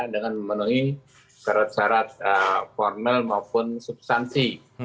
dengan memenuhi syarat syarat formil maupun substansi